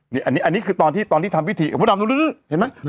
นี่อันนี้อันนี้คือตอนที่ตอนที่ทำพิธีเพราะว่าเห็นไหม